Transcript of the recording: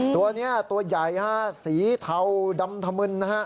ตัวนี้ตัวใหญ่ฮะสีเทาดำธมึนนะฮะ